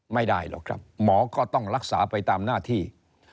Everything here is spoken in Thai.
ไม่ได้หรอกครับหมอก็ต้องรักษาไปตามหน้าที่